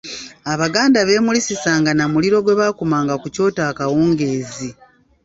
Abaganda beemulisisanga na muliro gwe bakumanga ku kyoto akawungeezi.